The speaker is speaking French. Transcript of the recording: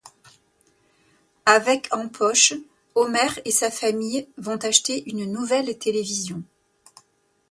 Avec en poche, Homer et sa famille vont acheter une nouvelle télévision.